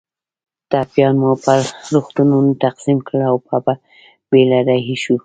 ټپیان مو پر روغتونونو تقسیم کړل او په بېړه رهي شوو.